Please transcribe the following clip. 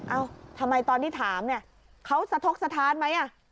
เอ้าทำไมตอนที่ถามเนี่ยเขาสะทกสถานไหม